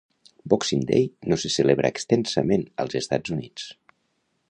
Boxing Day no se celebra extensament als Estats Units.